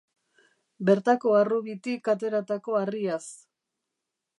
Bertako harrobitik ateratako harriaz.